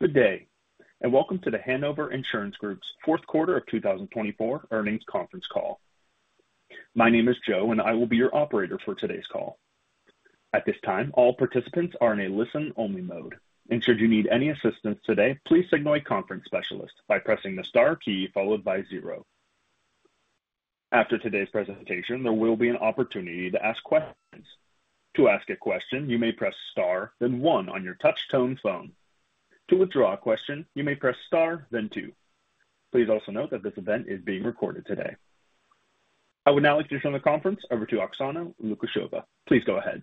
Good day, and Welcome to The Hanover Insurance Group's Q4 of 2024 Earnings Conference Call. My name is Joe, and I will be your operator for today's call. At this time, all participants are in a listen-only mode, and should you need any assistance today, please signal a conference specialist by pressing the star key followed by zero. After today's presentation, there will be an opportunity to ask questions. To ask a question, you may press star, then one on your touch-tone phone. To withdraw a question, you may press star, then two. Please also note that this event is being recorded today. I would now like to turn the conference over to Oksana Lukasheva. Please go ahead.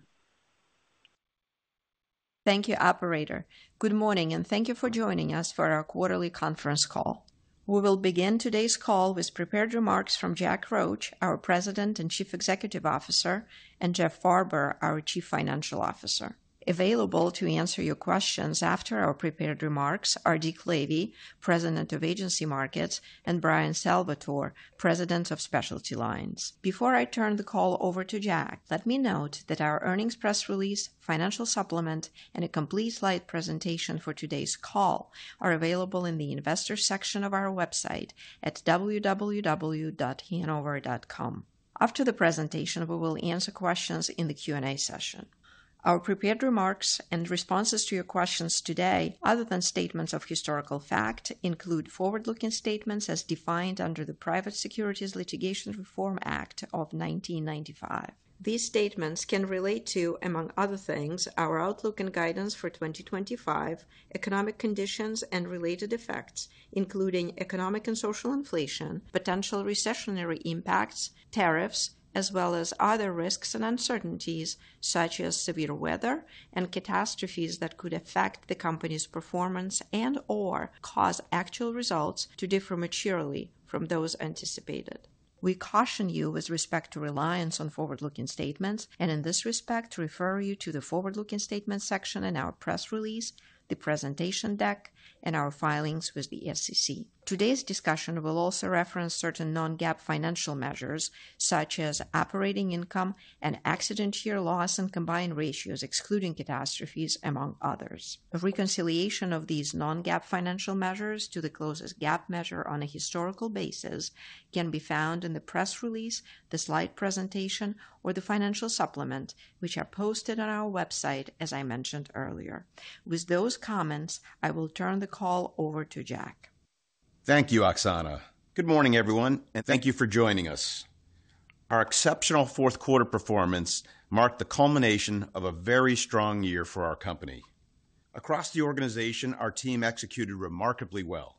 Thank you, operator. Good morning, and thank you for joining us for our quarterly conference call. We will begin today's call with prepared remarks from Jack Roche, our President and Chief Executive Officer, and Jeff Farber, our Chief Financial Officer. Available to answer your questions after our prepared remarks are Dick Lavey, President of Agency Markets, and Bryan Salvatore, President of Specialty Lines. Before I turn the call over to Jack, let me note that our earnings press release, financial supplement, and a complete slide presentation for today's call are available in the investor section of our website at www.hanover.com. After the presentation, we will answer questions in the Q&A session. Our prepared remarks and responses to your questions today, other than statements of historical fact, include forward-looking statements as defined under the Private Securities Litigation Reform Act of 1995. These statements can relate to, among other things, our outlook and guidance for 2025, economic conditions and related effects, including economic and social inflation, potential recessionary impacts, tariffs, as well as other risks and uncertainties such as severe weather and catastrophes that could affect the company's performance and/or cause actual results to differ materially from those anticipated. We caution you with respect to reliance on forward-looking statements, and in this respect, refer you to the forward-looking statements section in our press release, the presentation deck, and our filings with the SEC. Today's discussion will also reference certain non-GAAP financial measures such as operating income and accident-year loss and combined ratios, excluding catastrophes, among others. A reconciliation of these non-GAAP financial measures to the closest GAAP measure on a historical basis can be found in the press release, the slide presentation, or the financial supplement, which are posted on our website, as I mentioned earlier. With those comments, I will turn the call over to Jack. Thank you, Oksana. Good morning, everyone, and thank you for joining us. Our exceptional Q4 performance marked the culmination of a very strong year for our company. Across the organization, our team executed remarkably well.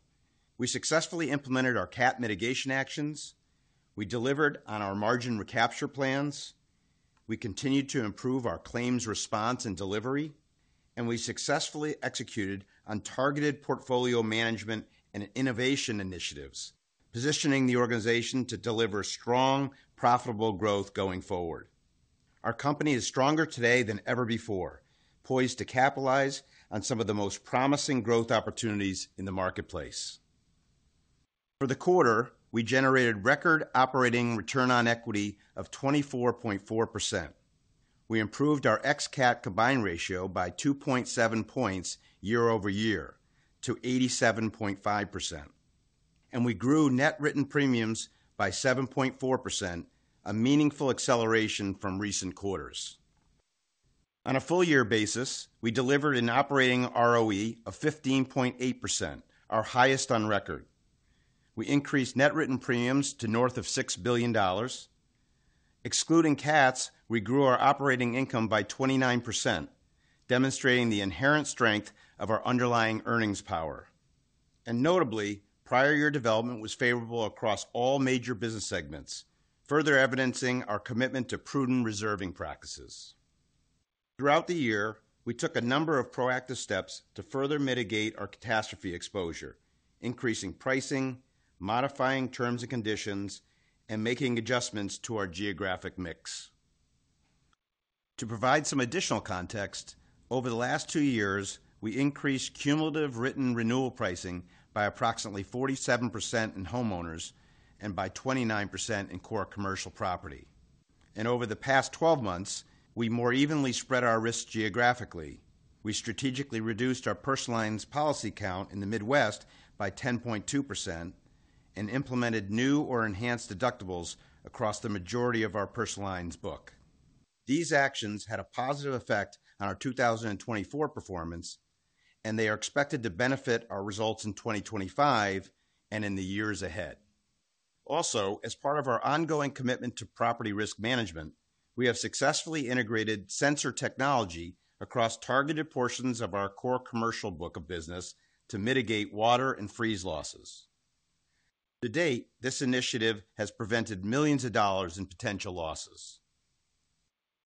We successfully implemented our CAT mitigation actions. We delivered on our margin recapture plans. We continued to improve our claims response and delivery, and we successfully executed on targeted portfolio management and innovation initiatives, positioning the organization to deliver strong, profitable growth going forward. Our company is stronger today than ever before, poised to capitalize on some of the most promising growth opportunities in the marketplace. For the quarter, we generated record operating return on equity of 24.4%. We improved our ex-CAT combined ratio by 2.7 points year-over-year to 87.5%, and we grew net written premiums by 7.4%, a meaningful acceleration from recent quarters. On a full-year basis, we delivered an operating ROE of 15.8%, our highest on record. We increased net written premiums to north of $6 billion excluding CATs, we grew our operating income by 29%, demonstrating the inherent strength of our underlying earnings power. And notably, prior-year development was favorable across all major business segments, further evidencing our commitment to prudent reserving practices. Throughout the year, we took a number of proactive steps to further mitigate our catastrophe exposure, increasing pricing, modifying terms and conditions, and making adjustments to our geographic mix. To provide some additional context, over the last two years, we increased cumulative written renewal pricing by approximately 47% in homeowners and by 29% in core commercial property. And over the past 12 months, we more evenly spread our risk geographically. We strategically reduced our personal lines policy count in the midwest by 10.2% and implemented new or enhanced deductibles across the majority of our Personal Lines book. These actions had a positive effect on our 2024 performance, and they are expected to benefit our results in 2025 and in the years ahead. Also, as part of our ongoing commitment to property risk management, we have successfully integrated sensor technology across targeted portions of our core commercial book of business to mitigate water and freeze losses. To date, this initiative has prevented millions of dollars in potential losses.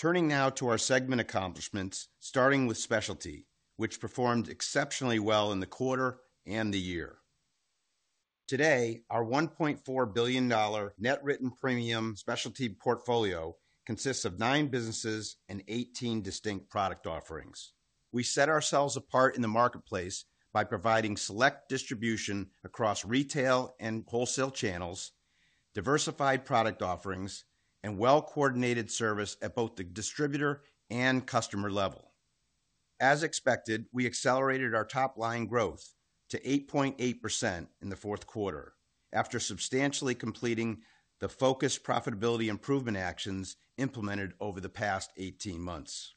Turning now to our segment accomplishments, starting with Specialty, which performed exceptionally well in the quarter and the year. Today, our $1.4 billion net written premium Specialty portfolio consists of nine businesses and 18 distinct product offerings. We set ourselves apart in the marketplace by providing select distribution across retail and wholesale channels, diversified product offerings, and well-coordinated service at both the distributor and customer level. As expected, we accelerated our top line growth to 8.8% in the Q4 after substantially completing the focused profitability improvement actions implemented over the past 18 months.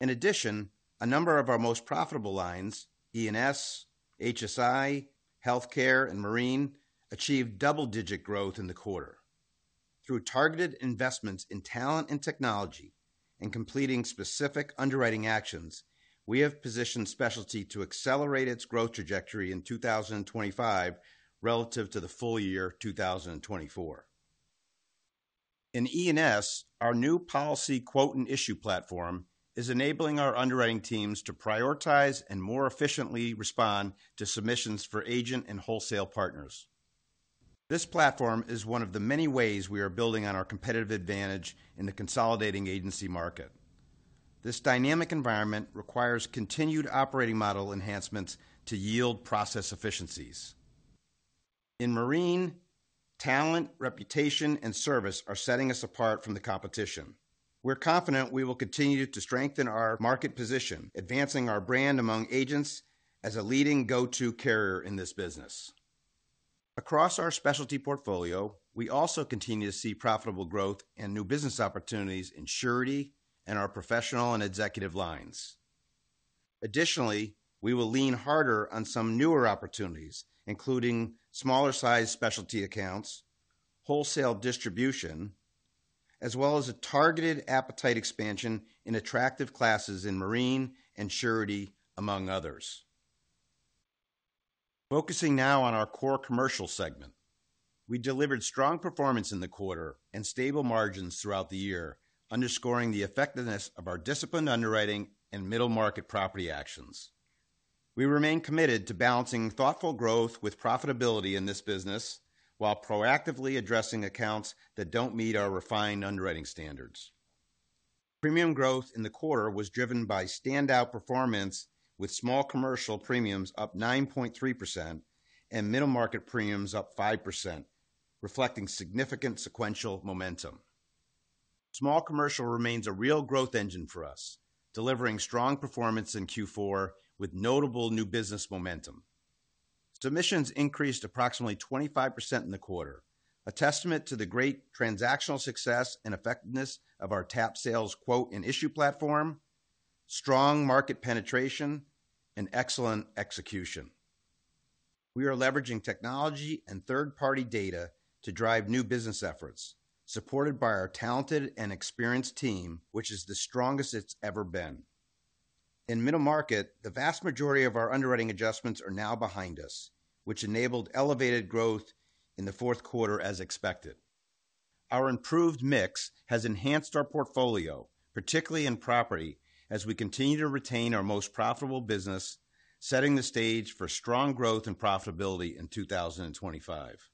In addition, a number of our most profitable lines, E&S, HSI, healthcare, and marine, achieved double-digit growth in the quarter. Through targeted investments in talent and technology and completing specific underwriting actions, we have positioned specialty to accelerate its growth trajectory in 2025 relative to the full year 2024. In E&S, our new policy quote and issue platform is enabling our underwriting teams to prioritize and more efficiently respond to submissions for agent and wholesale partners. This platform is one of the many ways we are building on our competitive advantage in the consolidating agency market. This dynamic environment requires continued operating model enhancements to yield process efficiencies. In marine, talent, reputation, and service are setting us apart from the competition. We're confident we will continue to strengthen our market position, advancing our brand among agents as a leading go-to carrier in this business. Across our specialty portfolio, we also continue to see profitable growth and new business opportunities in surety and our professional and executive lines. Additionally, we will lean harder on some newer opportunities, including smaller-sized specialty accounts, wholesale distribution, as well as a targeted appetite expansion in attractive classes in marine and surety, among others. Focusing now on our core commercial segment, we delivered strong performance in the quarter and stable margins throughout the year, underscoring the effectiveness of our disciplined underwriting and middle market property actions. We remain committed to balancing thoughtful growth with profitability in this business while proactively addressing accounts that don't meet our refined underwriting standards. Premium growth in the quarter was driven by standout performance, with small commercial premiums up 9.3% and middle market premiums up 5%, reflecting significant sequential momentum. Small Commercial remains a real growth engine for us, delivering strong performance in Q4 with notable new business momentum. Submissions increased approximately 25% in the quarter, a testament to the great transactional success and effectiveness of our TAP Sales quote and issue platform, strong market penetration, and excellent execution. We are leveraging technology and third-party data to drive new business efforts, supported by our talented and experienced team, which is the strongest it's ever been. In middle market, the vast majority of our underwriting adjustments are now behind us, which enabled elevated growth in the Q4, as expected. Our improved mix has enhanced our portfolio, particularly in property, as we continue to retain our most profitable business, setting the stage for strong growth and profitability in 2025.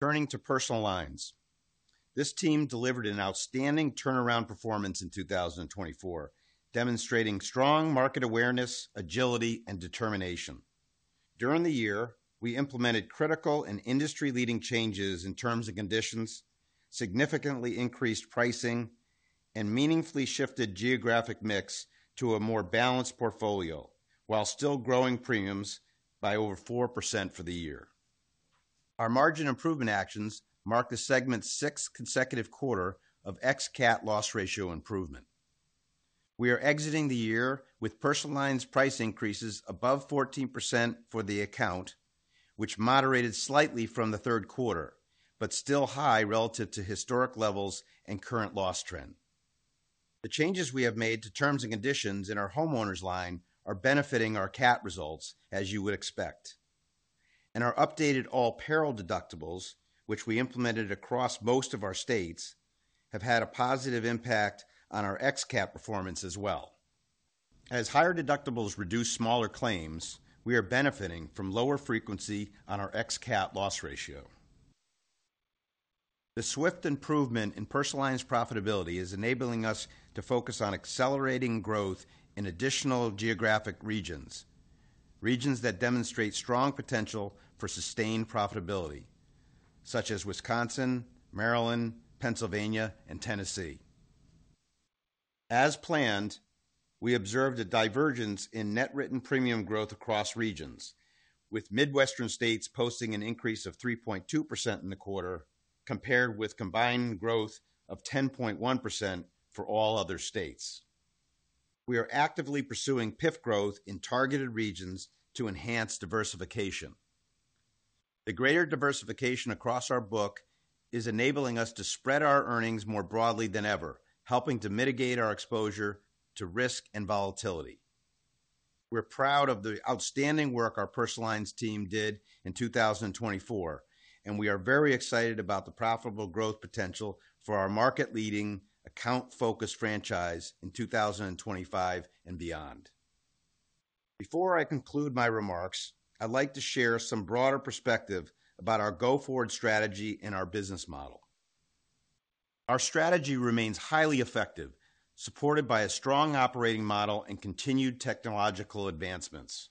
Turning to personal lines, this team delivered an outstanding turnaround performance in 2024, demonstrating strong market awareness, agility, and determination. During the year, we implemented critical and industry-leading changes in terms and conditions, significantly increased pricing, and meaningfully shifted geographic mix to a more balanced portfolio while still growing premiums by over 4% for the year. Our margin improvement actions marked the segment's sixth consecutive quarter of ex-cap loss ratio improvement. We are exiting the year with personal lines price increases above 14% for the account, which moderated slightly from the Q3, but still high relative to historic levels and current loss trend. The changes we have made to terms and conditions in our homeowners line are benefiting our cat results, as you would expect, and our updated all-peril deductibles, which we implemented across most of our states, have had a positive impact on our ex-cat performance as well. As higher deductibles reduce smaller claims, we are benefiting from lower frequency on our ex-cat loss ratio. The swift improvement in personal lines profitability is enabling us to focus on accelerating growth in additional geographic regions, regions that demonstrate strong potential for sustained profitability, such as Wisconsin, Maryland, Pennsylvania, and Tennessee. As planned, we observed a divergence in net written premium growth across regions, with Midwestern states posting an increase of 3.2% in the quarter compared with combined growth of 10.1% for all other states. We are actively pursuing PIF growth in targeted regions to enhance diversification. The greater diversification across our book is enabling us to spread our earnings more broadly than ever, helping to mitigate our exposure to risk and volatility. We're proud of the outstanding work our Personal lines team did in 2024, and we are very excited about the profitable growth potential for our market-leading account-focused franchise in 2025 and beyond. Before I conclude my remarks, I'd like to share some broader perspective about our go-forward strategy and our business model. Our strategy remains highly effective, supported by a strong operating model and continued technological advancements.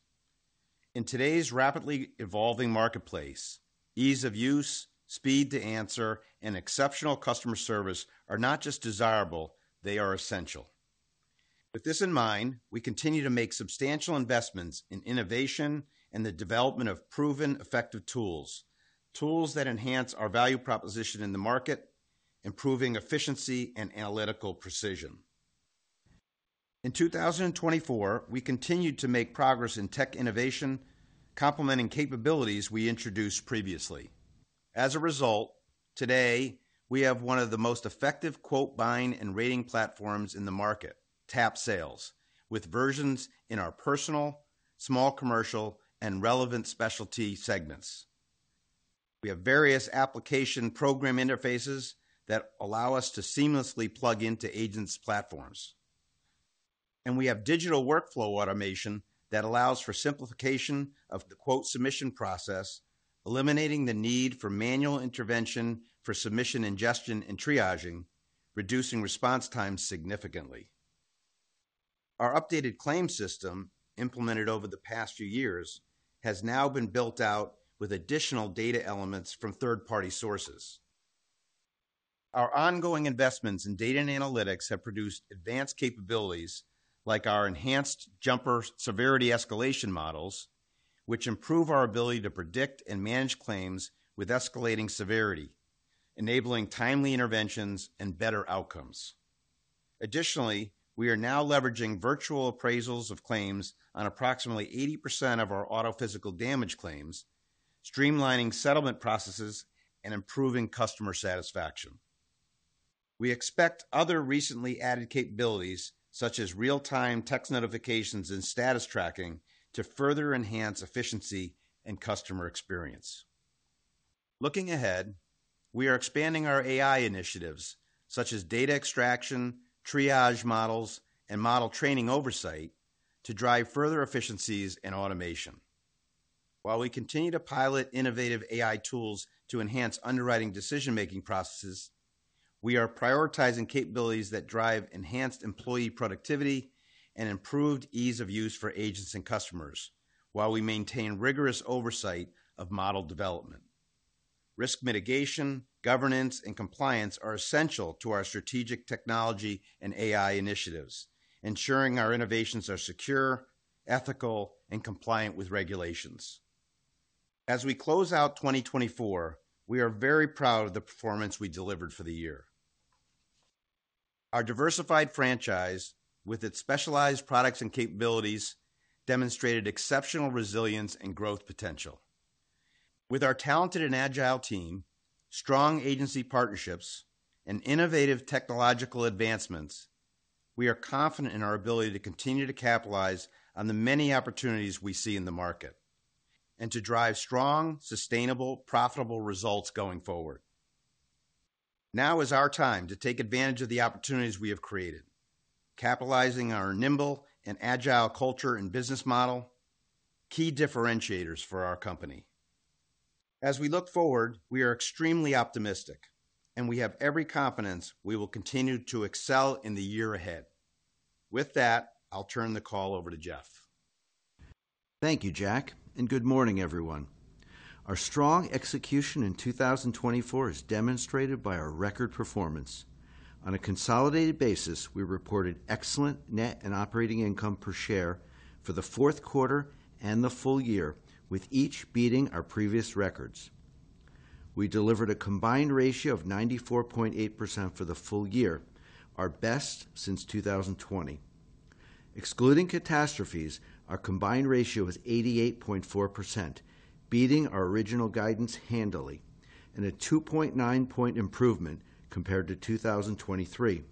In today's rapidly evolving marketplace, ease of use, speed to answer, and exceptional customer service are not just desirable. They are essential. With this in mind, we continue to make substantial investments in innovation and the development of proven, effective tools, tools that enhance our value proposition in the market, improving efficiency and analytical precision. In 2024, we continued to make progress in tech innovation, complementing capabilities we introduced previously. As a result, today, we have one of the most effective quote buying and rating platforms in the market, TAP Sales, with versions in our personal, small commercial, and relevant specialty segments. We have various application programming interfaces that allow us to seamlessly plug into agents' platforms, and we have digital workflow automation that allows for simplification of the quote submission process, eliminating the need for manual intervention for submission ingestion and triaging, reducing response times significantly. Our updated claim system, implemented over the past few years, has now been built out with additional data elements from third-party sources. Our ongoing investments in data and analytics have produced advanced capabilities like our enhanced jumper severity escalation models, which improve our ability to predict and manage claims with escalating severity, enabling timely interventions and better outcomes. Additionally, we are now leveraging virtual appraisals of claims on approximately 80% of our auto physical damage claims, streamlining settlement processes and improving customer satisfaction. We expect other recently added capabilities, such as real-time text notifications and status tracking, to further enhance efficiency and customer experience. Looking ahead, we are expanding our AI initiatives, such as data extraction, triage models, and model training oversight, to drive further efficiencies and automation. While we continue to pilot innovative AI tools to enhance underwriting decision-making processes, we are prioritizing capabilities that drive enhanced employee productivity and improved ease of use for agents and customers, while we maintain rigorous oversight of model development. Risk mitigation, governance, and compliance are essential to our strategic technology and AI initiatives, ensuring our innovations are secure, ethical, and compliant with regulations. As we close out 2024, we are very proud of the performance we delivered for the year. Our diversified franchise, with its specialized products and capabilities, demonstrated exceptional resilience and growth potential. With our talented and agile team, strong agency partnerships, and innovative technological advancements, we are confident in our ability to continue to capitalize on the many opportunities we see in the market and to drive strong, sustainable, profitable results going forward. Now is our time to take advantage of the opportunities we have created, capitalizing our nimble and agile culture and business model, key differentiators for our company. As we look forward, we are extremely optimistic, and we have every confidence we will continue to excel in the year ahead. With that, I'll turn the call over to Jeff. Thank you, Jack, and good morning, everyone. Our strong execution in 2024 is demonstrated by our record performance. On a consolidated basis, we reported excellent net and operating income per share for the Q4 and the full year, with each beating our previous records. We delivered a combined ratio of 94.8% for the full year, our best since 2020. Excluding catastrophes, our combined ratio was 88.4%, beating our original guidance handily, and a 2.9-point improvement compared to 2023.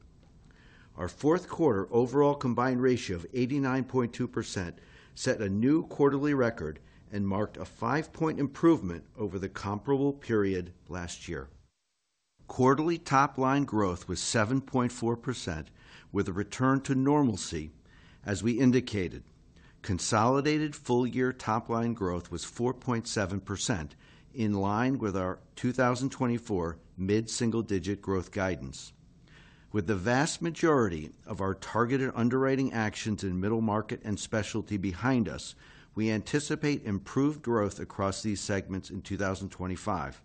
Our Q4 overall combined ratio of 89.2% set a new quarterly record and marked a 5-point improvement over the comparable period last year. Quarterly top-line growth was 7.4%, with a return to normalcy, as we indicated. Consolidated full-year top-line growth was 4.7%, in line with our 2024 mid-single-digit growth guidance. With the vast majority of our targeted underwriting actions in middle market and specialty behind us, we anticipate improved growth across these segments in 2025.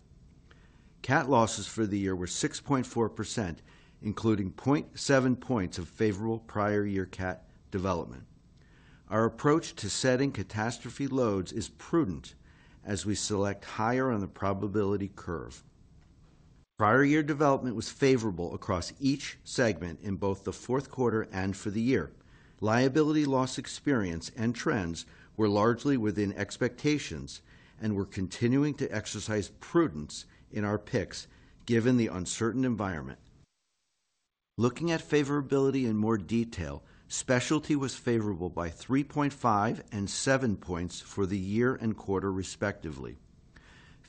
CAT losses for the year were 6.4%, including 0.7 points of favorable prior-year CAT development. Our approach to setting catastrophe loads is prudent as we select higher on the probability curve. Prior-year development was favorable across each segment in both the Q4 and for the year. Liability loss experience and trends were largely within expectations and were continuing to exercise prudence in our picks given the uncertain environment. Looking at favorability in more detail, Specialty was favorable by 3.5 and 7 points for the year and quarter, respectively.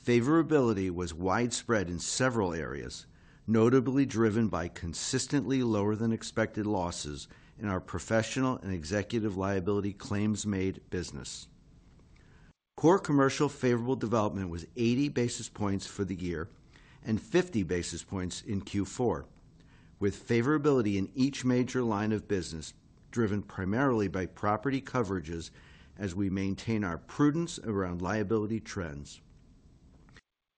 Favorability was widespread in several areas, notably driven by consistently lower-than-expected losses in our professional and executive liability claims-made business. Core Commercial favorable development was 80 basis points for the year and 50 basis points in Q4, with favorability in each major line of business driven primarily by property coverages as we maintain our prudence around liability trends.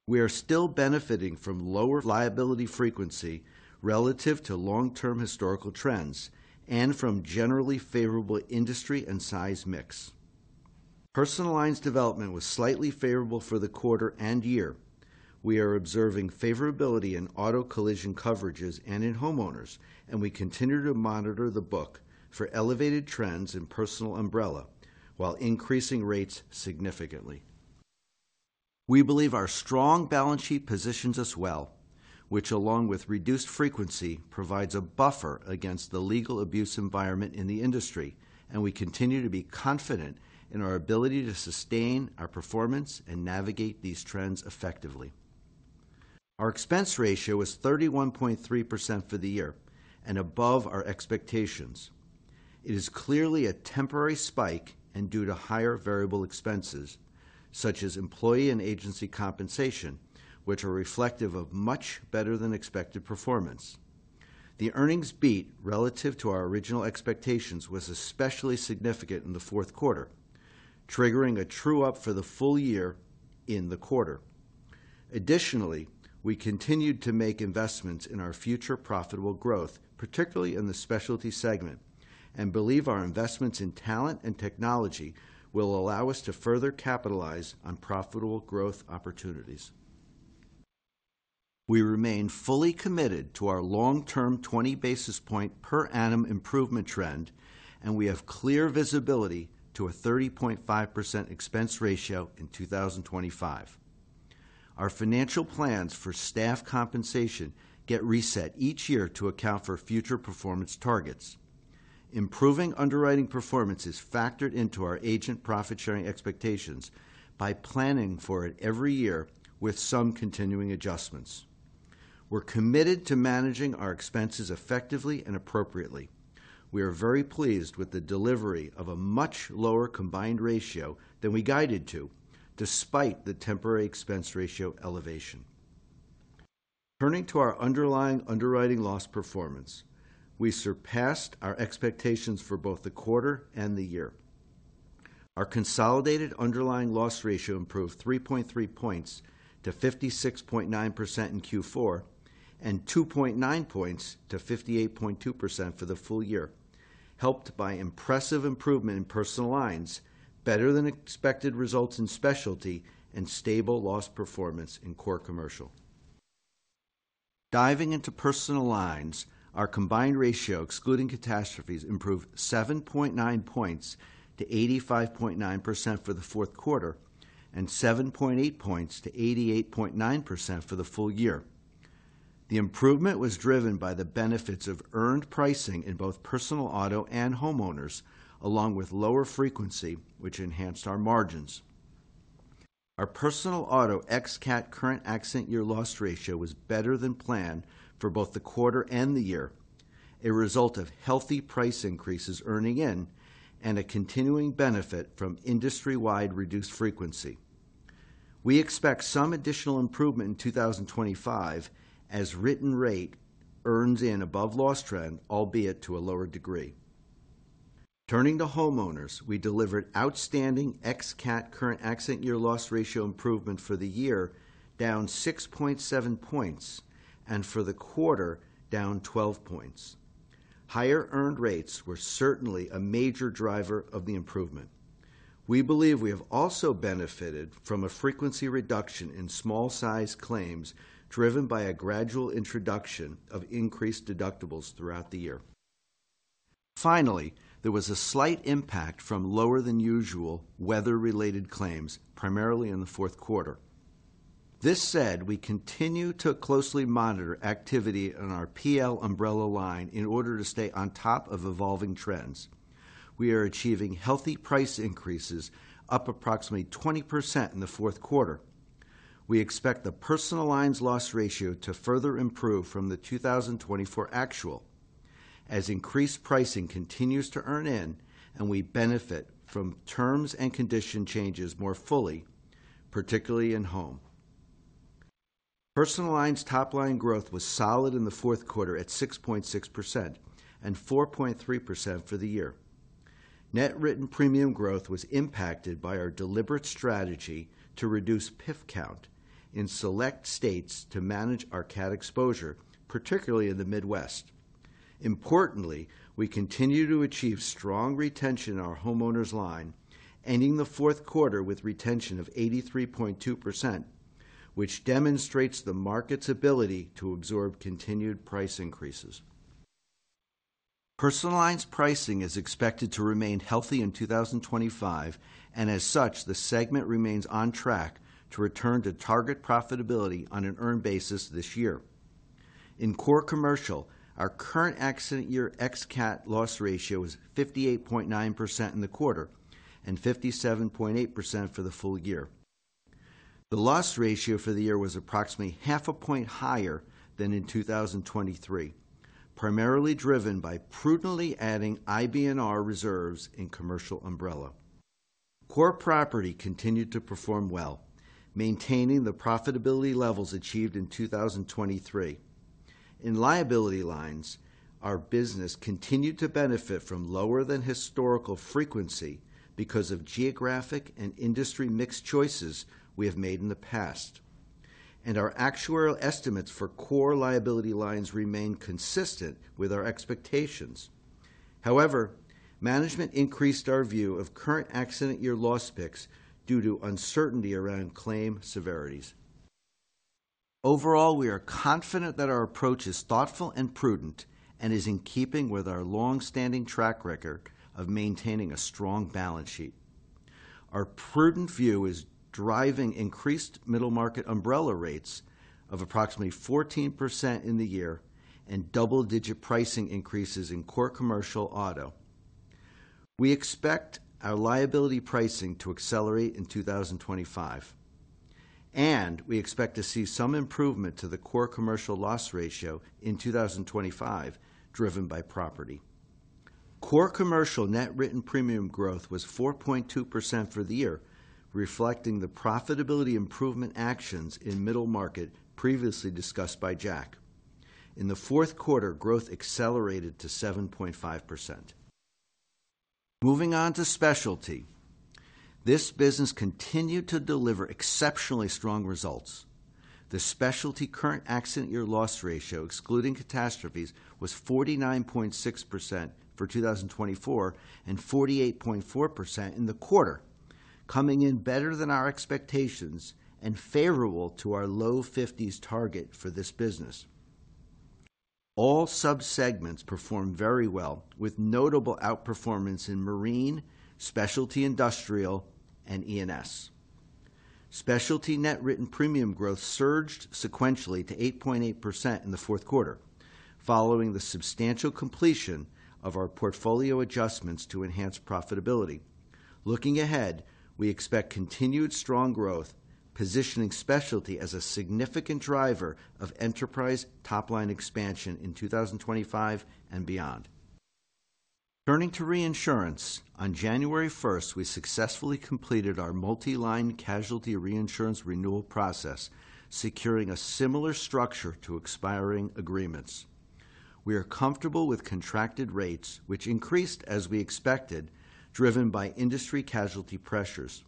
We are still benefiting from lower liability frequency relative to long-term historical trends and from generally favorable industry and size mix. Personal Lines development was slightly favorable for the quarter and year. We are observing favorability in auto collision coverages and in homeowners, and we continue to monitor the book for elevated trends in personal umbrella while increasing rates significantly. We believe our strong balance sheet positions us well, which, along with reduced frequency, provides a buffer against the legal abuse environment in the industry, and we continue to be confident in our ability to sustain our performance and navigate these trends effectively. Our expense ratio was 31.3% for the year and above our expectations. It is clearly a temporary spike and due to higher variable expenses, such as employee and agency compensation, which are reflective of much better-than-expected performance. The earnings beat relative to our original expectations was especially significant in the Q4, triggering a true-up for the full year in the quarter. Additionally, we continued to make investments in our future profitable growth, particularly in the specialty segment, and believe our investments in talent and technology will allow us to further capitalize on profitable growth opportunities. We remain fully committed to our long-term 20 basis point per annum improvement trend, and we have clear visibility to a 30.5% expense ratio in 2025. Our financial plans for staff compensation get reset each year to account for future performance targets. Improving underwriting performance is factored into our agent profit-sharing expectations by planning for it every year with some continuing adjustments. We're committed to managing our expenses effectively and appropriately. We are very pleased with the delivery of a much lower combined ratio than we guided to, despite the temporary expense ratio elevation. Turning to our underlying underwriting loss performance, we surpassed our expectations for both the quarter and the year. Our consolidated underlying loss ratio improved 3.3 points to 56.9% in Q4 and 2.9 points to 58.2% for the full year, helped by impressive improvement in personal lines, better-than-expected results in specialty, and stable loss performance in core commercial. Diving into personal lines, our combined ratio, excluding catastrophes, improved 7.9 points to 85.9% for the Q4 and 7.8 points to 88.9% for the full year. The improvement was driven by the benefits of earned pricing in both personal auto and homeowners, along with lower frequency, which enhanced our margins. Our personal auto ex-CAT current accident year loss ratio was better than planned for both the quarter and the year, a result of healthy price increases earning in and a continuing benefit from industry-wide reduced frequency. We expect some additional improvement in 2025 as written rate earns in above loss trend, albeit to a lower degree. Turning to homeowners, we delivered outstanding ex-CAT current accident year loss ratio improvement for the year, down 6.7 points, and for the quarter, down 12 points. Higher earned rates were certainly a major driver of the improvement. We believe we have also benefited from a frequency reduction in small-sized claims driven by a gradual introduction of increased deductibles throughout the year. Finally, there was a slight impact from lower-than-usual weather-related claims, primarily in the Q4. This said, we continue to closely monitor activity on our PL umbrella line in order to stay on top of evolving trends. We are achieving healthy price increases, up approximately 20% in the Q4. We expect the personal lines loss ratio to further improve from the 2024 actual, as increased pricing continues to earn in, and we benefit from terms and conditions changes more fully, particularly in home. Personal lines top-line growth was solid in the Q4 at 6.6% and 4.3% for the year. Net written premium growth was impacted by our deliberate strategy to reduce PIF count in select states to manage our CAT exposure, particularly in the Midwest. Importantly, we continue to achieve strong retention in our homeowners line, ending the Q4 with retention of 83.2%, which demonstrates the market's ability to absorb continued price increases. Personal lines pricing is expected to remain healthy in 2025, and as such, the segment remains on track to return to target profitability on an earned basis this year. In core commercial, our current accident year ex-CAT loss ratio was 58.9% in the quarter and 57.8% for the full year. The loss ratio for the year was approximately half a point higher than in 2023, primarily driven by prudently adding IBNR reserves in commercial umbrella. Core property continued to perform well, maintaining the profitability levels achieved in 2023. In liability lines, our business continued to benefit from lower-than-historical frequency because of geographic and industry mixed choices we have made in the past, and our actuarial estimates for core liability lines remain consistent with our expectations. However, management increased our view of current accident year loss picks due to uncertainty around claim severities. Overall, we are confident that our approach is thoughtful and prudent and is in keeping with our long-standing track record of maintaining a strong balance sheet. Our prudent view is driving increased middle market umbrella rates of approximately 14% in the year and double-digit pricing increases in core commercial auto. We expect our liability pricing to accelerate in 2025, and we expect to see some improvement to the core commercial loss ratio in 2025, driven by property. Core commercial net written premium growth was 4.2% for the year, reflecting the profitability improvement actions in middle market previously discussed by Jack. In the Q4, growth accelerated to 7.5%. Moving on to specialty, this business continued to deliver exceptionally strong results. The specialty current accident year loss ratio, excluding catastrophes, was 49.6% for 2024 and 48.4% in the quarter, coming in better than our expectations and favorable to our low 50s target for this business. All subsegments performed very well, with notable outperformance in marine, specialty industrial, and E&S. Specialty net written premium growth surged sequentially to 8.8% in the Q4, following the substantial completion of our portfolio adjustments to enhance profitability. Looking ahead, we expect continued strong growth, positioning specialty as a significant driver of enterprise top-line expansion in 2025 and beyond. Turning to reinsurance, on January 1st, we successfully completed our multi-line casualty reinsurance renewal process, securing a similar structure to expiring agreements. We are comfortable with contracted rates, which increased as we expected, driven by industry casualty pressures.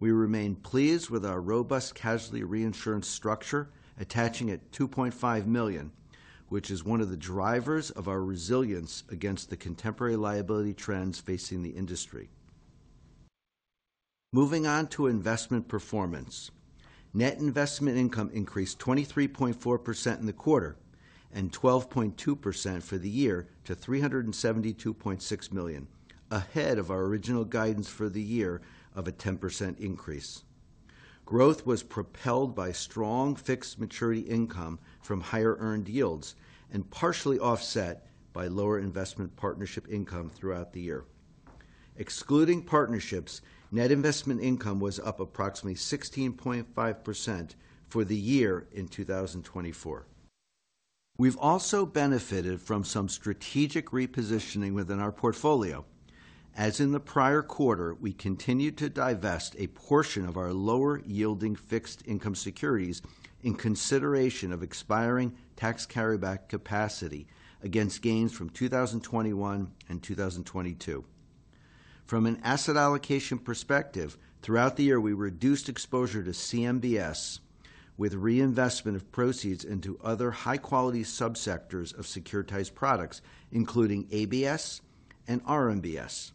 We remain pleased with our robust casualty reinsurance structure, attaching at $2.5 million, which is one of the drivers of our resilience against the contemporary liability trends facing the industry. Moving on to investment performance, net investment income increased 23.4% in the quarter and 12.2% for the year to $372.6 million, ahead of our original guidance for the year of a 10% increase. Growth was propelled by strong fixed maturity income from higher earned yields and partially offset by lower investment partnership income throughout the year. Excluding partnerships, net investment income was up approximately 16.5% for the year in 2024. We've also benefited from some strategic repositioning within our portfolio. As in the prior quarter, we continued to divest a portion of our lower-yielding fixed income securities in consideration of expiring tax carryback capacity against gains from 2021 and 2022. From an asset allocation perspective, throughout the year, we reduced exposure to CMBS with reinvestment of proceeds into other high-quality subsectors of securitized products, including ABS and RMBS.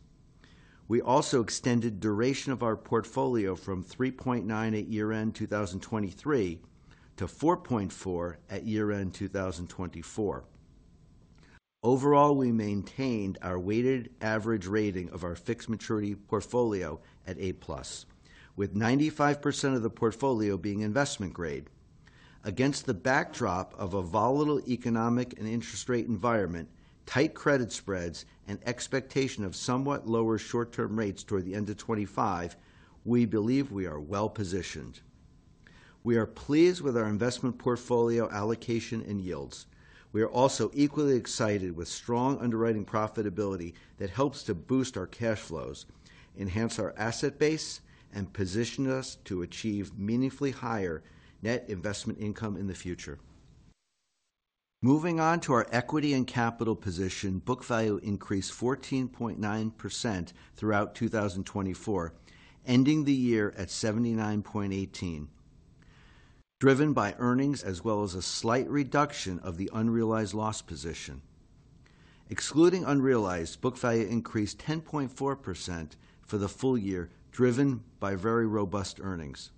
We also extended duration of our portfolio from 3.9 at year-end 2023 to 4.4 at year-end 2024. Overall, we maintained our weighted average rating of our fixed maturity portfolio at A-plus, with 95% of the portfolio being investment grade. Against the backdrop of a volatile economic and interest rate environment, tight credit spreads, and expectation of somewhat lower short-term rates toward the end of 2025, we believe we are well-positioned. We are pleased with our investment portfolio allocation and yields. We are also equally excited with strong underwriting profitability that helps to boost our cash flows, enhance our asset base, and position us to achieve meaningfully higher net investment income in the future. Moving on to our equity and capital position, book value increased 14.9% throughout 2024, ending the year at $79.18, driven by earnings as well as a slight reduction of the unrealized loss position. Excluding unrealized, book value increased 10.4% for the full year, driven by very robust earnings.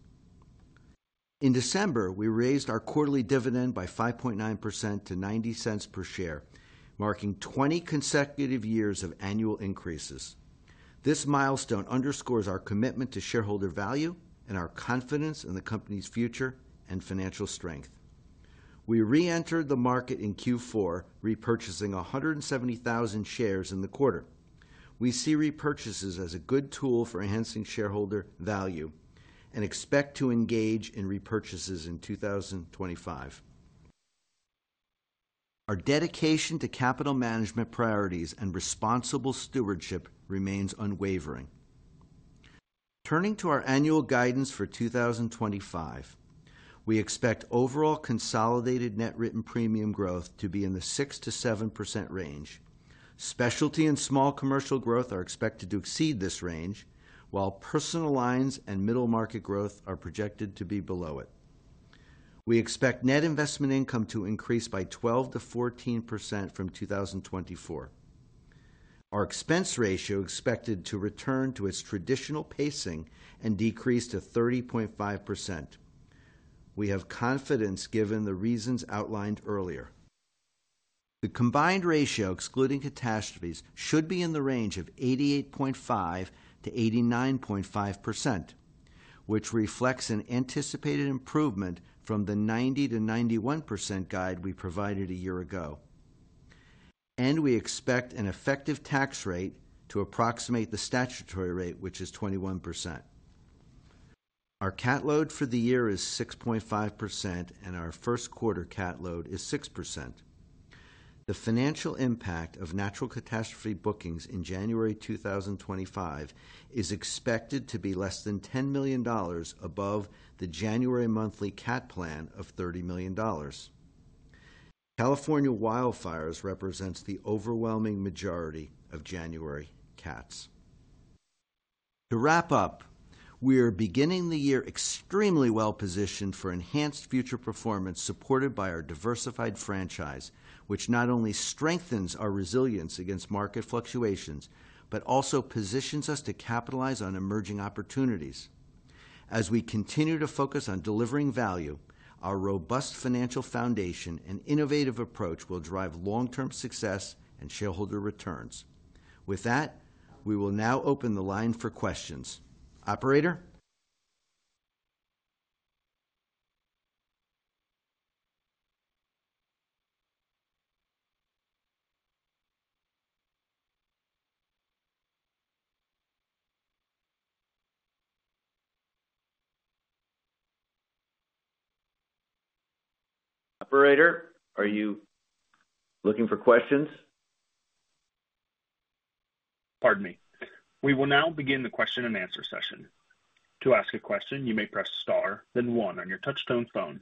In December, we raised our quarterly dividend by 5.9% to $0.90 per share, marking 20 consecutive years of annual increases. This milestone underscores our commitment to shareholder value and our confidence in the company's future and financial strength. We re-entered the market in Q4, repurchasing 170,000 shares in the quarter. We see repurchases as a good tool for enhancing shareholder value and expect to engage in repurchases in 2025. Our dedication to capital management priorities and responsible stewardship remains unwavering. Turning to our annual guidance for 2025, we expect overall consolidated net written premium growth to be in the 6%-7% range. Specialty and small commercial growth are expected to exceed this range, while personal lines and middle market growth are projected to be below it. We expect net investment income to increase by 12%-14% from 2024. Our expense ratio is expected to return to its traditional pacing and decrease to 30.5%. We have confidence given the reasons outlined earlier. The combined ratio, excluding catastrophes, should be in the range of 88.5%-89.5%, which reflects an anticipated improvement from the 90%-91% guide we provided a year ago. And we expect an effective tax rate to approximate the statutory rate, which is 21%. Our CAT load for the year is 6.5%, and our Q1 CAT load is 6%. The financial impact of natural catastrophe bookings in January 2025 is expected to be less than $10 million above the January monthly CAT plan of $30 million. California wildfires represent the overwhelming majority of January CATs. To wrap up, we are beginning the year extremely well-positioned for enhanced future performance supported by our diversified franchise, which not only strengthens our resilience against market fluctuations but also positions us to capitalize on emerging opportunities. As we continue to focus on delivering value, our robust financial foundation and innovative approach will drive long-term success and shareholder returns. With that, we will now open the line for questions. Operator? Operator, are you looking for questions? Pardon me. We will now begin the question and answer session. To ask a question, you may press star, then one on your touch-tone phone.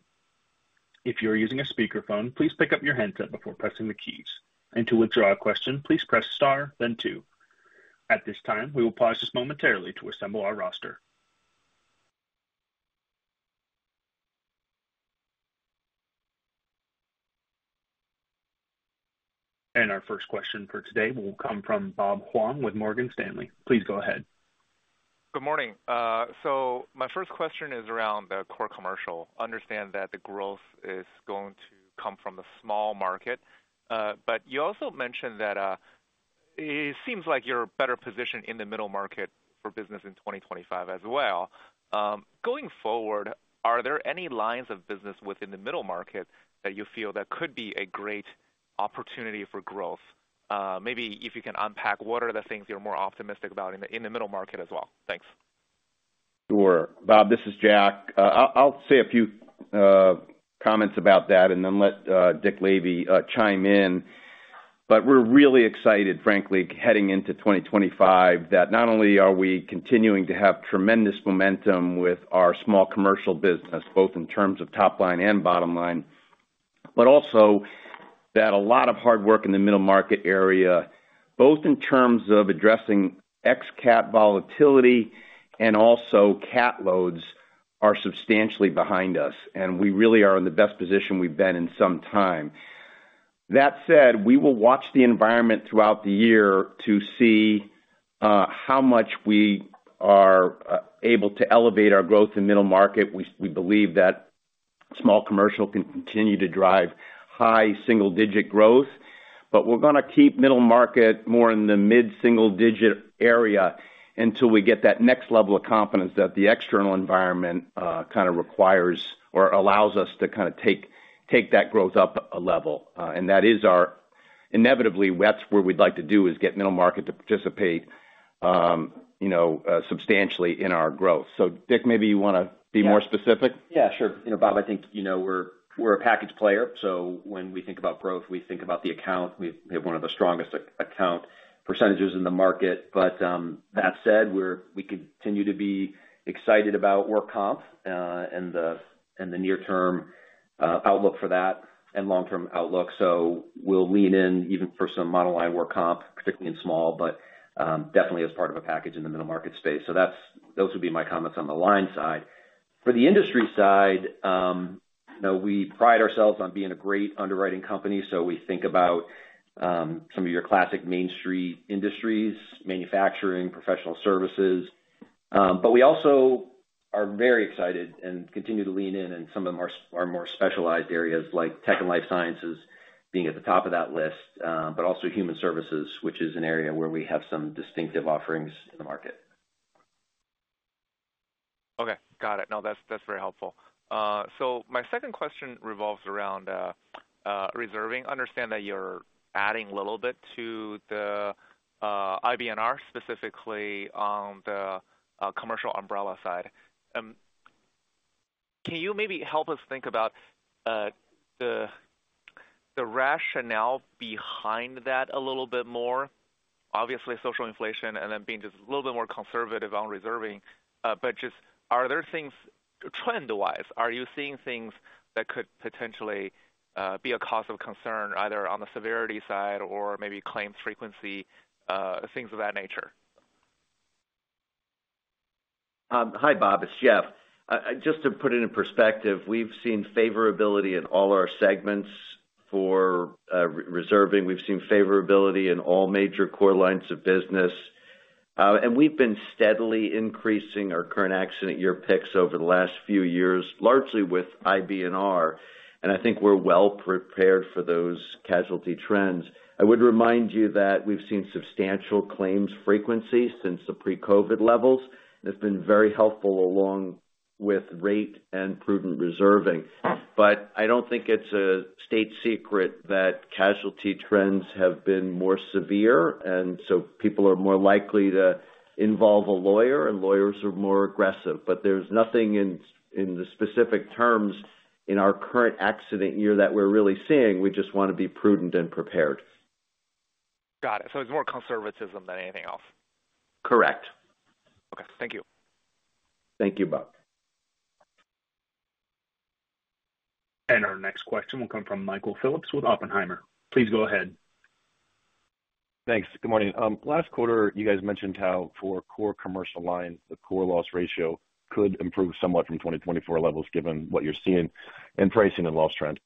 If you are using a speakerphone, please pick up your handset before pressing the keys. And to withdraw a question, please press Star, then two. At this time, we will pause just momentarily to assemble our roster. And our first question for today will come from Bob Huang with Morgan Stanley. Please go ahead. Good morning. So my first question is around the core commercial. I understand that the growth is going to come from the small market, but you also mentioned that it seems like you're better positioned in the middle market for business in 2025 as well. Going forward, are there any lines of business within the middle market that you feel that could be a great opportunity for growth? Maybe if you can unpack what are the things you're more optimistic about in the middle market as well? Thanks. Sure. Bob, this is Jack. I'll say a few comments about that and then let Dick Lavey chime in. But we're really excited, frankly, heading into 2025 that not only are we continuing to have tremendous momentum with our small commercial business, both in terms of top line and bottom line, but also that a lot of hard work in the middle market area, both in terms of addressing Ex-CAT volatility and also CAT loads, are substantially behind us, and we really are in the best position we've been in some time. That said, we will watch the environment throughout the year to see how much we are able to elevate our growth in the middle market. We believe that small commercial can continue to drive high single-digit growth, but we're going to keep middle market more in the mid-single-digit area until we get that next level of confidence that the external environment kind of requires or allows us to kind of take that growth up a level. And that is our inevitably that's where we'd like to do is get middle market to participate substantially in our growth. So Dick, maybe you want to be more specific? Yeah, sure. Bob, I think we're a package player. So when we think about growth, we think about the account. We have one of the strongest account percentages in the market. But that said, we continue to be excited about work comp and the near-term outlook for that and long-term outlook. So, we'll lean in even for some monoline work comp, particularly in small, but definitely as part of a package in the middle market space. So those would be my comments on the line side. For the industry side, we pride ourselves on being a great underwriting company. So we think about some of your classic mainstream industries, manufacturing, professional services. But we also are very excited and continue to lean in in some of our more specialized areas like tech and life sciences being at the top of that list, but also human services, which is an area where we have some distinctive offerings in the market. Okay. Got it. No, that's very helpful. So my second question revolves around reserving. I understand that you're adding a little bit to the IBNR, specifically on the commercial umbrella side. Can you maybe help us think about the rationale behind that a little bit more? Obviously, social inflation and then being just a little bit more conservative on reserving. But just are there things trend-wise? Are you seeing things that could potentially be a cause of concern either on the severity side or maybe claims frequency, things of that nature? Hi, Bob. It's Jeff. Just to put it in perspective, we've seen favorability in all our segments for reserving. We've seen favorability in all major core lines of business. And we've been steadily increasing our current accident year picks over the last few years, largely with IBNR. And I think we're well-prepared for those casualty trends. I would remind you that we've seen substantial claims frequency since the pre-COVID levels. It's been very helpful along with rate and prudent reserving. But I don't think it's a state secret that casualty trends have been more severe, and so people are more likely to involve a lawyer, and lawyers are more aggressive. But there's nothing in the specific terms in our current accident year that we're really seeing. We just want to be prudent and prepared. Got it. So it's more conservatism than anything else. Correct. Okay. Thank you. Thank you, Bob. And our next question will come from Michael Phillips with Oppenheimer. Please go ahead. Thanks. Good morning. Last quarter, you guys mentioned how for core commercial line, the core loss ratio could improve somewhat from 2024 levels given what you're seeing in pricing and loss trend.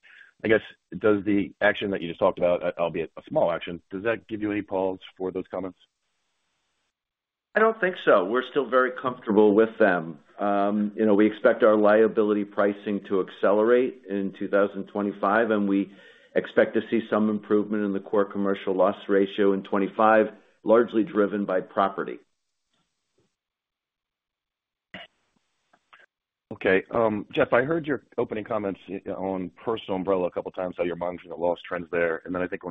I guess does the action that you just talked about, albeit a small action, does that give you any pause for those comments? I don't think so. We're still very comfortable with them. We expect our liability pricing to accelerate in 2025, and we expect to see some improvement in the core commercial loss ratio in 2025, largely driven by property. Okay. Jeff, I heard your opening comments on personal umbrella a couple of times, how you're monitoring the loss trends there. And then I think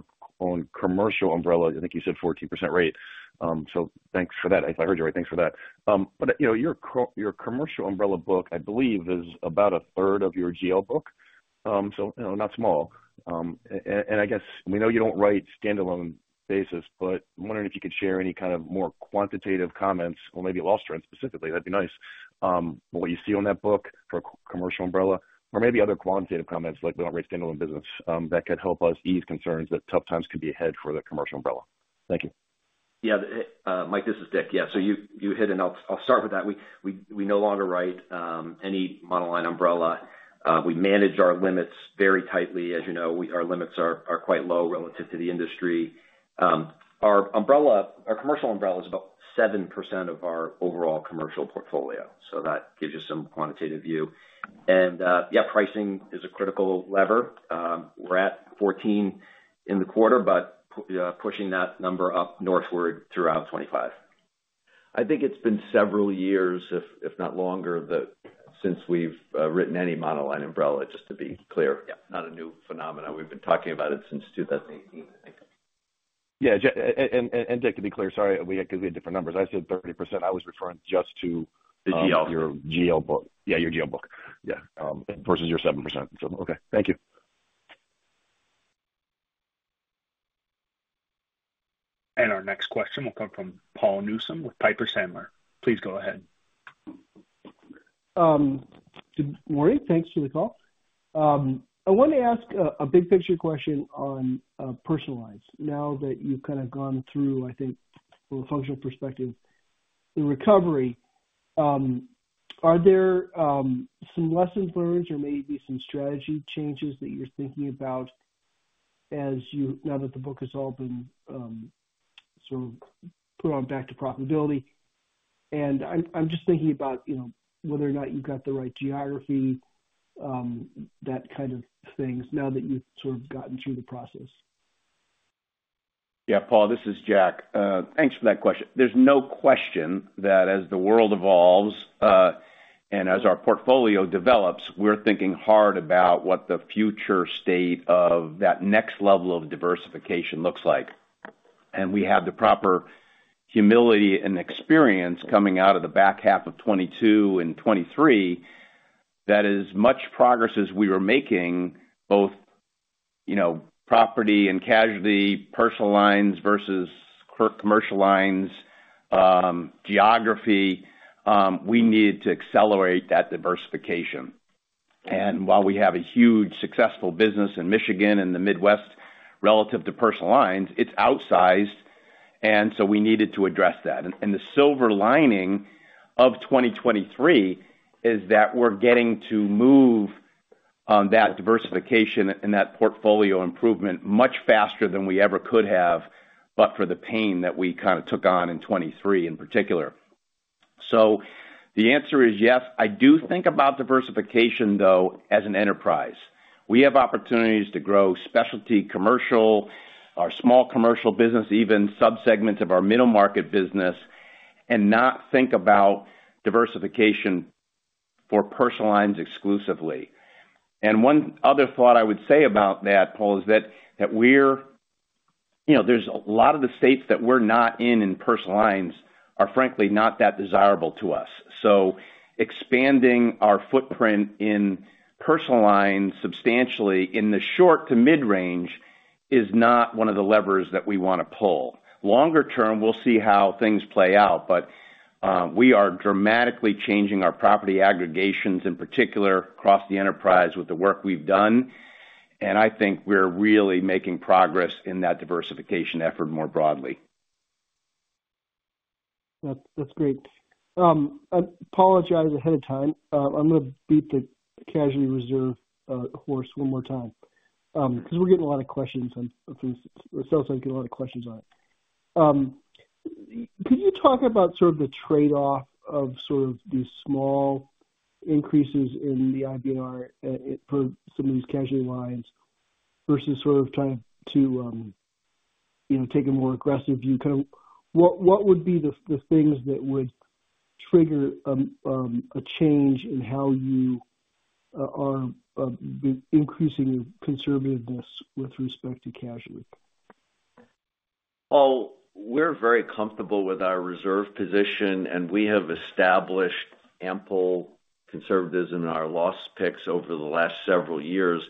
on commercial umbrella, I think you said 14% rate. So thanks for that. If I heard you right, thanks for that. But your commercial umbrella book, I believe, is about a third of your GL book. So not small. And I guess we know you don't write standalone basis, but I'm wondering if you could share any kind of more quantitative comments or maybe loss trends specifically. That'd be nice. What you see on that book for commercial umbrella or maybe other quantitative comments like we don't write standalone business that could help us ease concerns that tough times could be ahead for the commercial umbrella. Thank you. Yeah. Mike, this is Dick. Yeah. So you hit it. I'll start with that. We no longer write any monoline umbrella. We manage our limits very tightly. As you know, our limits are quite low relative to the industry. Our commercial umbrella is about 7% of our overall commercial portfolio. So that gives you some quantitative view. And yeah, pricing is a critical lever. We're at 14 in the quarter, but pushing that number up northward throughout 2025. I think it's been several years, if not longer, since we've written any monoline umbrella, just to be clear. Not a new phenomenon. We've been talking about it since 2018. Yeah. Dick, to be clear, sorry, we had different numbers. I said 30%. I was referring just to the GL book. Yeah, your GL book. Yeah. Versus your 7%. Okay. Thank you. Our next question will come from Paul Newsome with Piper Sandler. Please go ahead. Good morning. Thanks for the call. I want to ask a big picture question on personal lines. Now that you've kind of gone through, I think, from a functional perspective, the recovery, are there some lessons learned or maybe some strategy changes that you're thinking about now that the book has all been sort of put back to profitability? And I'm just thinking about whether or not you've got the right geography, that kind of thing, now that you've sort of gotten through the process. Yeah. Paul, this is Jack. Thanks for that question. There's no question that as the world evolves and as our portfolio develops, we're thinking hard about what the future state of that next level of diversification looks like. And we have the proper humility and experience coming out of the back half of 2022 and 2023 that as much progress as we were making, both property and casualty, personal lines versus commercial lines, geography, we needed to accelerate that diversification. And while we have a huge successful business in Michigan and the midwest relative to personal lines, it's outsized. And so we needed to address that. And the silver lining of 2023 is that we're getting to move that diversification and that portfolio improvement much faster than we ever could have, but for the pain that we kind of took on in 2023 in particular. So the answer is yes. I do think about diversification, though, as an enterprise. We have opportunities to grow specialty commercial, our small commercial business, even subsegments of our middle market business, and not think about diversification for personal lines exclusively. And one other thought I would say about that, Paul, is that there's a lot of the states that we're not in in personal lines are, frankly, not that desirable to us. So expanding our footprint in personal lines substantially in the short to mid-range is not one of the levers that we want to pull. Longer term, we'll see how things play out, but we are dramatically changing our property aggregations in particular across the enterprise with the work we've done. And I think we're really making progress in that diversification effort more broadly. That's great. I apologize ahead of time. I'm going to beat the casualty reserve horse one more time because we're getting a lot of questions on this. It sounds like we're getting a lot of questions on it. Could you talk about sort of the trade-off of sort of these small increases in the IBNR for some of these casualty lines versus sort of trying to take a more aggressive view? Kind of what would be the things that would trigger a change in how you are increasing your conservativeness with respect to casualty? We're very comfortable with our reserve position, and we have established ample conservatism in our loss picks over the last several years.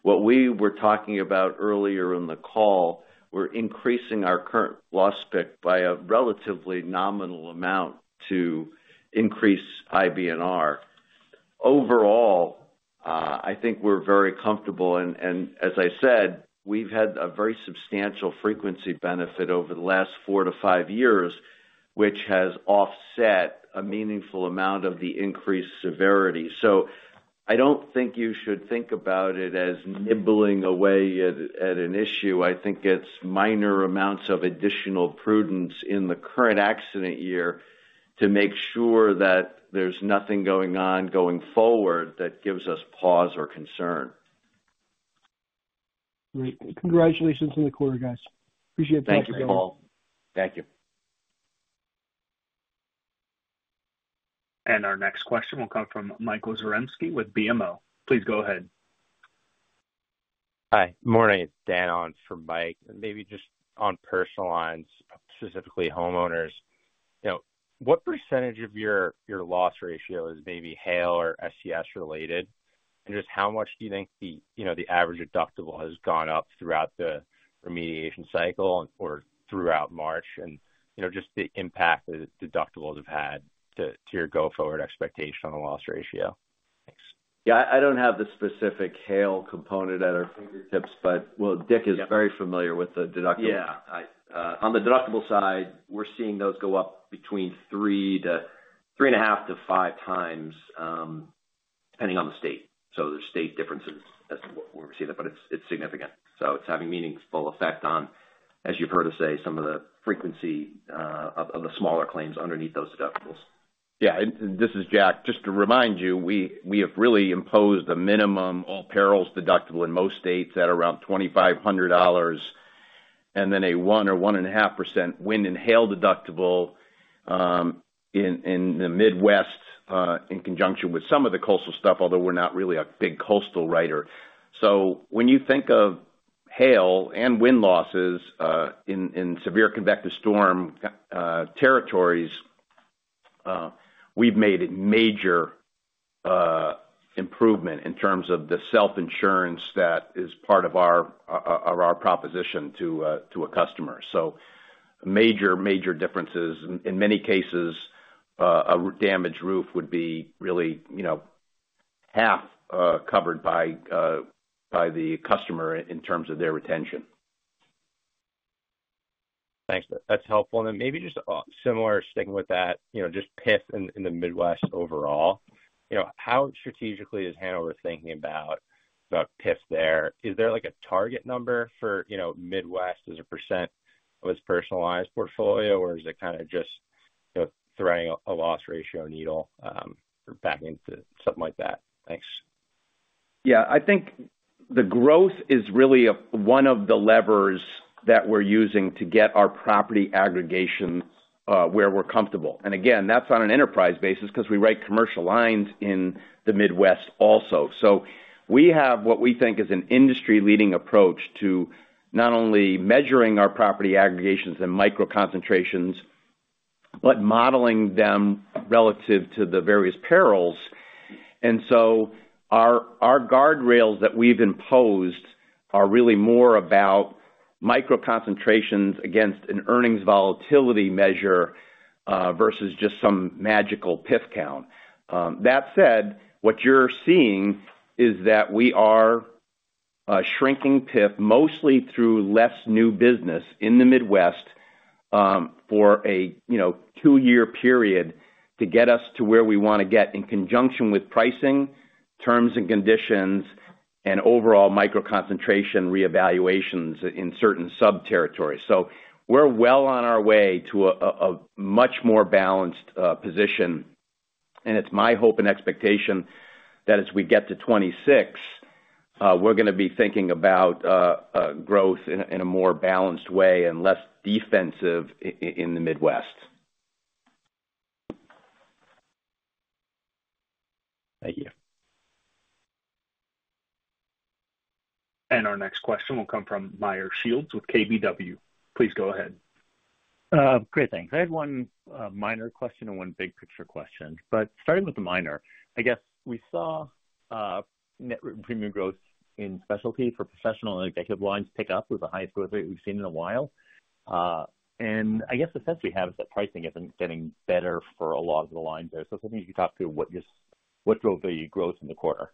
What we were talking about earlier in the call, we're increasing our current loss pick by a relatively nominal amount to increase IBNR. Overall, I think we're very comfortable. And as I said, we've had a very substantial frequency benefit over the last four to five years, which has offset a meaningful amount of the increased severity. So I don't think you should think about it as nibbling away at an issue. I think it's minor amounts of additional prudence in the current accident year to make sure that there's nothing going on going forward that gives us pause or concern. Great. Congratulations on the quarter, guys. Appreciate it. Thank you, Paul. Thank you. And our next question will come from Michael Zaremski with BMO. Please go ahead. Hi. Good morning. Dan on for Mike. And maybe just on personal lines, specifically homeowners, what percentage of your loss ratio is maybe hail or SCS related? And just how much do you think the average deductible has gone up throughout the remediation cycle or throughout the year? And just the impact that deductibles have had on your go-forward expectation on the loss ratio. Thanks. Yeah.I don't have the specific hail component at our fingertips, but, well, Dick is very familiar with the deductible. Yeah. On the deductible side, we're seeing those go up between three and a half to five times depending on the state. So there's state differences as to what we're seeing, but it's significant. So it's having a meaningful effect on, as you've heard us say, some of the frequency of the smaller claims underneath those deductibles. Yeah, and this is Jack. Just to remind you, we have really imposed a minimum all-perils deductible in most states at around $2,500 and then a 1 or 1.5% wind and hail deductible in the midwest in conjunction with some of the coastal stuff, although we're not really a big coastal writer. So when you think of hail and wind losses in severe convective storm territories, we've made a major improvement in terms of the self-insurance that is part of our proposition to a customer. So major, major differences. In many cases, a damaged roof would be really half covered by the customer in terms of their retention. Thanks. That's helpful. And then maybe just similar sticking with that, just PIF in the midwest overall. How strategically is Hanover thinking about PIF there? Is there a target number for midwest as a % of its personal lines portfolio, or is it kind of just threading a loss ratio needle back into something like that? Thanks. Yeah. I think the growth is really one of the levers that we're using to get our property aggregation where we're comfortable. And again, that's on an enterprise basis because we write commercial lines in the midwest also. So we have what we think is an industry-leading approach to not only measuring our property aggregations and micro-concentrations, but modeling them relative to the various perils. And so our guardrails that we've imposed are really more about micro-concentrations against an earnings volatility measure versus just some magical PIF count. That said, what you're seeing is that we are shrinking PIF mostly through less new business in the midwest for a two-year period to get us to where we want to get in conjunction with pricing, terms and conditions, and overall micro-concentration reevaluations in certain sub-territories. So we're well on our way to a much more balanced position. And it's my hope and expectation that as we get to 2026, we're going to be thinking about growth in a more balanced way and less defensive in the Midwest. Thank you. And our next question will come from Meyer Shields with KBW. Please go ahead. Great. Thanks. I had one minor question and one big picture question. But starting with the minor, I guess we saw net premium growth in specialty for professional and executive lines pick up with the highest growth rate we've seen in a while. And I guess the sense we have is that pricing isn't getting better for a lot of the lines there. So something you could talk to what drove the growth in the quarter.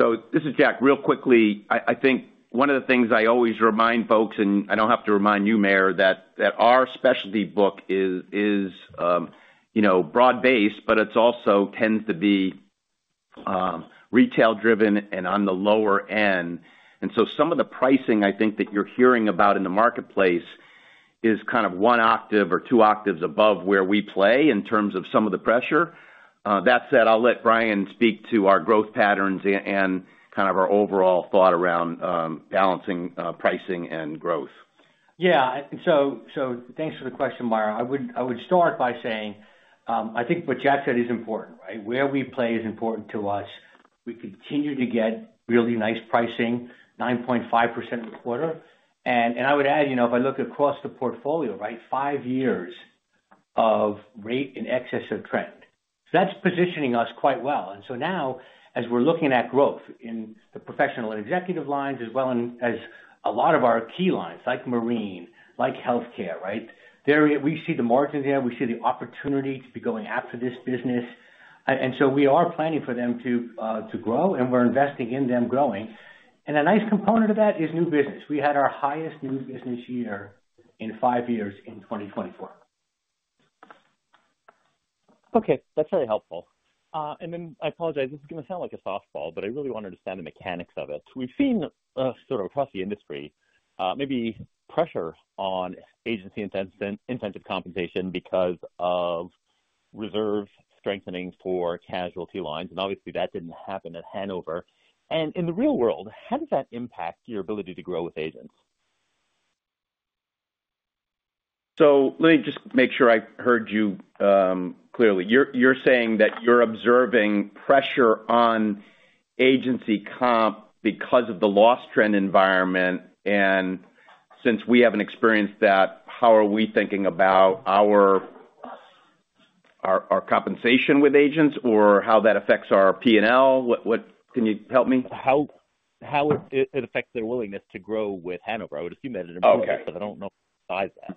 So this is Jack. Real quickly, I think one of the things I always remind folks, and I don't have to remind you, Meyer, that our specialty book is broad-based, but it also tends to be retail-driven and on the lower end. And so some of the pricing, I think, that you're hearing about in the marketplace is kind of one octave or two octaves above where we play in terms of some of the pressure. That said, I'll let Bryan speak to our growth patterns and kind of our overall thought around balancing pricing and growth. Yeah, so thanks for the question, Meyer. I would start by saying I think what Jack said is important, right? Where we play is important to us. We continue to get really nice pricing, 9.5% per quarter. And I would add, if I look across the portfolio, right, five years of rate in excess of trend, so that's positioning us quite well. And so now, as we're looking at growth in the Professional and Executive Lines as well as a lot of our key lines like Marine, like Healthcare, right? We see the margins there. We see the opportunity to be going after this business, and so we are planning for them to grow, and we're investing in them growing, and a nice component of that is new business. We had our highest new business year in five years in 2024. Okay. That's really helpful, and then I apologize. This is going to sound like a softball, but I really want to understand the mechanics of it. We've seen sort of across the industry maybe pressure on agency incentive compensation because of reserve strengthening for casualty lines, and obviously, that didn't happen at Hanover, and in the real world, how does that impact your ability to grow with agents. So let me just make sure I heard you clearly. You're saying that you're observing pressure on agency comp because of the loss trend environment. And since we haven't experienced that, how are we thinking about our compensation with agents or how that affects our P&L? Can you help me? How it affects their willingness to grow with Hanover. I would assume that in a marketplace, but I don't know why that.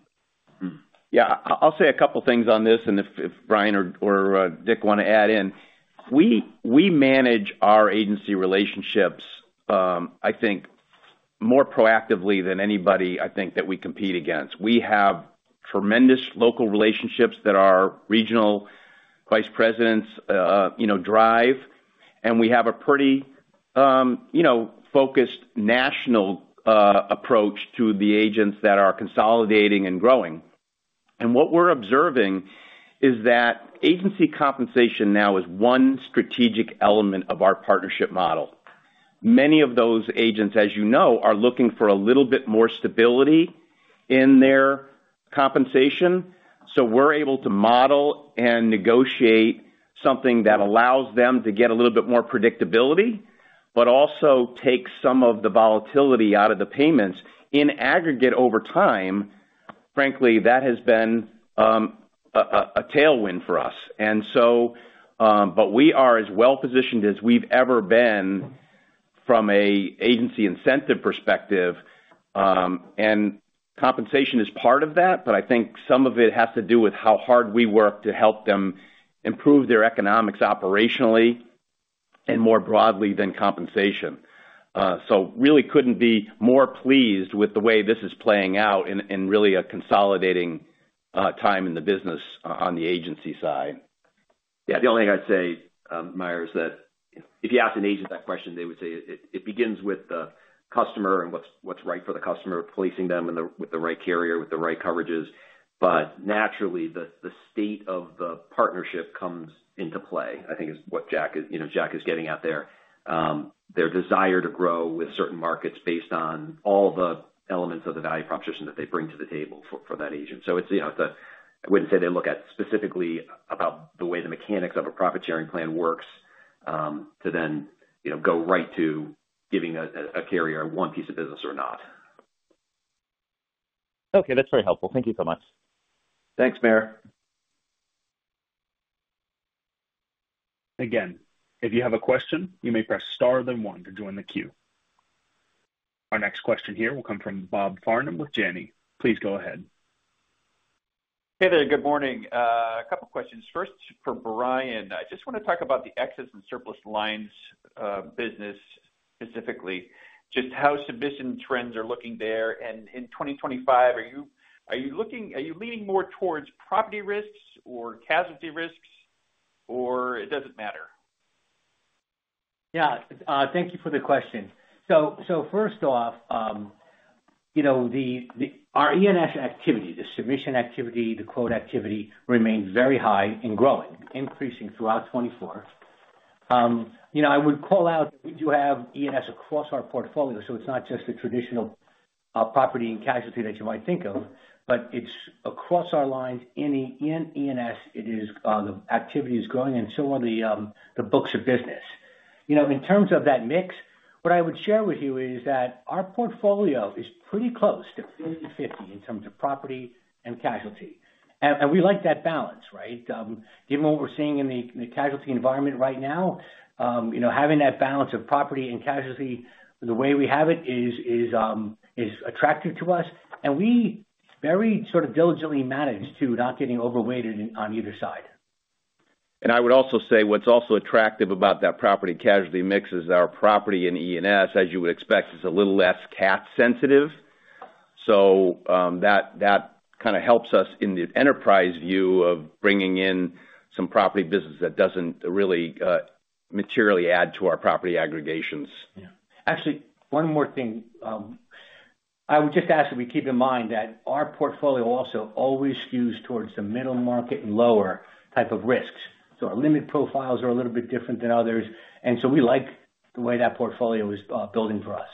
Yeah. I'll say a couple of things on this. And if Bryan or Dick want to add in, we manage our agency relationships, I think, more proactively than anybody, I think, that we compete against. We have tremendous local relationships that our regional vice presidents drive. And we have a pretty focused national approach to the agents that are consolidating and growing. And what we're observing is that agency compensation now is one strategic element of our partnership model. Many of those agents, as you know, are looking for a little bit more stability in their compensation. So we're able to model and negotiate something that allows them to get a little bit more predictability, but also take some of the volatility out of the payments in aggregate over time. Frankly, that has been a tailwind for us. And so, but we are as well-positioned as we've ever been from an agency incentive perspective. And compensation is part of that, but I think some of it has to do with how hard we work to help them improve their economics operationally and more broadly than compensation. So really couldn't be more pleased with the way this is playing out in really a consolidating time in the business on the agency side. Yeah. The only thing I'd say, Meyer, is that if you ask an agent that question, they would say it begins with the customer and what's right for the customer, placing them with the right carrier, with the right coverages. But naturally, the state of the partnership comes into play, I think, is what Jack is getting at there. Their desire to grow with certain markets based on all the elements of the value proposition that they bring to the table for that agent. So I wouldn't say they look at specifically about the way the mechanics of a profit-sharing plan works to then go right to giving a carrier one piece of business or not. Okay. That's very helpful. Thank you so much. Thanks, Meyer. Again, if you have a question, you may press star then one to join the queue. Our next question here will come from Bob Farnham with Janney. Please go ahead. Hey there. Good morning. A couple of questions. First, for Bryan, I just want to talk about the excess and surplus lines business specifically, just how submission trends are looking there. And in 2025, are you leaning more towards property risks or casualty risks, or it doesn't matter? Yeah. Thank you for the question. So first off, our E&S activity, the submission activity, the quote activity remains very high and growing, increasing throughout 2024. I would call out that we do have E&S across our portfolio. So it's not just the traditional property and casualty that you might think of, but it's across our lines in E&S. The activity is growing, and so are the books of business. In terms of that mix, what I would share with you is that our portfolio is pretty close to 50/50 in terms of property and casualty, and we like that balance, right? Given what we're seeing in the casualty environment right now, having that balance of property and casualty the way we have it is attractive to us, and we very sort of diligently manage to not getting overweighted on either side. And I would also say what's also attractive about that property-casualty mix is our property and E&S, as you would expect, is a little less cat-sensitive. So that kind of helps us in the enterprise view of bringing in some property business that doesn't really materially add to our property aggregations. Yeah. Actually, one more thing. I would just ask that we keep in mind that our portfolio also always skews towards the middle market and lower type of risks. So our limit profiles are a little bit different than others. And so we like the way that portfolio is building for us.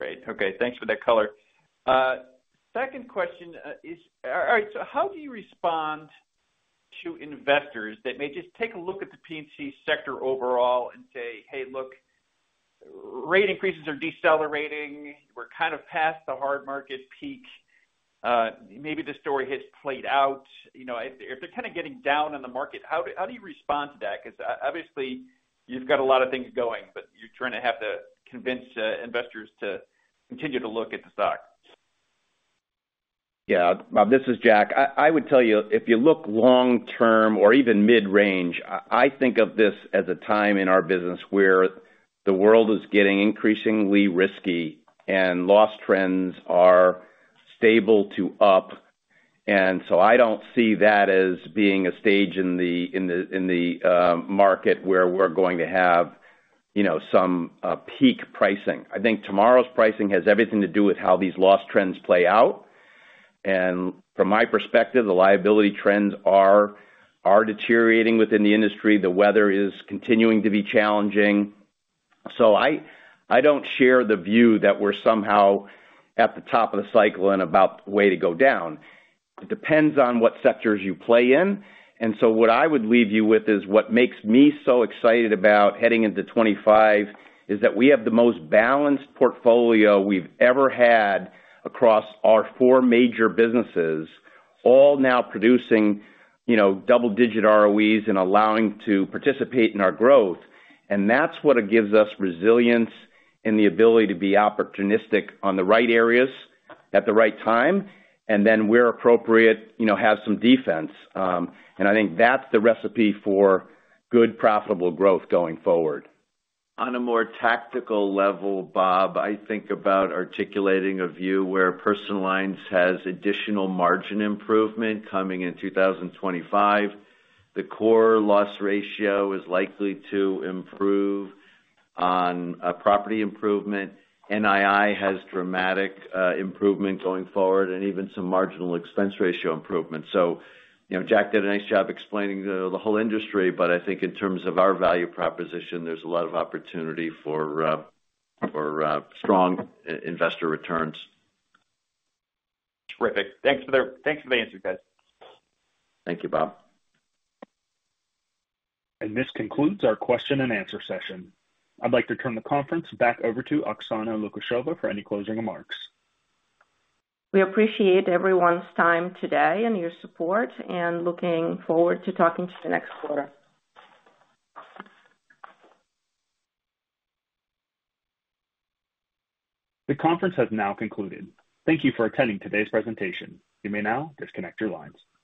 Great. Okay. Thanks for that color. Second question is, all right, so how do you respond to investors that may just take a look at the P&C sector overall and say, "Hey, look, rate increases are decelerating. We're kind of past the hard market peak. Maybe the story has played out." If they're kind of getting down in the market, how do you respond to that? Because obviously, you've got a lot of things going, but you're trying to have to convince investors to continue to look at the stock. Yeah. This is Jack. I would tell you, if you look long-term or even mid-range, I think of this as a time in our business where the world is getting increasingly risky and loss trends are stable to up, and so I don't see that as being a stage in the market where we're going to have some peak pricing. I think tomorrow's pricing has everything to do with how these loss trends play out, and from my perspective, the liability trends are deteriorating within the industry. The weather is continuing to be challenging, so I don't share the view that we're somehow at the top of the cycle and about the way to go down. It depends on what sectors you play in. And so what I would leave you with is what makes me so excited about heading into 2025 is that we have the most balanced portfolio we've ever had across our four major businesses, all now producing double-digit ROEs and allowing to participate in our growth. And that's what gives us resilience and the ability to be opportunistic on the right areas at the right time. And then where appropriate, have some defense. And I think that's the recipe for good, profitable growth going forward. On a more tactical level, Bob, I think about articulating a view where personal lines has additional margin improvement coming in 2025. The core loss ratio is likely to improve on property improvement. NII has dramatic improvement going forward and even some marginal expense ratio improvement. So Jack did a nice job explaining the whole industry, but I think in terms of our value proposition, there's a lot of opportunity for strong investor returns. Terrific. Thanks for the answer, guys. Thank you, Bob. And this concludes our question and answer session. I'd like to turn the conference back over to Oksana Lukasheva for any closing remarks. We appreciate everyone's time today and your support and looking forward to talking to you next quarter. The conference has now concluded. Thank you for attending today's presentation. You may now disconnect your lines.